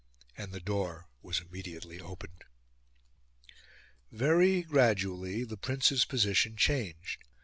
And the door was immediately opened. Very gradually the Prince's position changed.